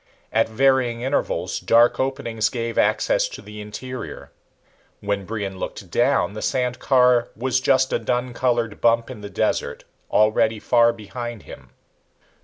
At varying intervals dark openings gave access to the interior. When Brion looked down, the sand car was just a dun colored bump in the desert, already far behind him.